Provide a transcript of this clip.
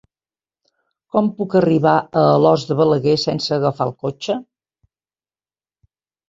Com puc arribar a Alòs de Balaguer sense agafar el cotxe?